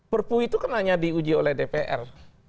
perpu itu kan hanya diuji oleh dpr